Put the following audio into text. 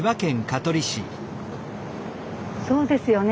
そうですよね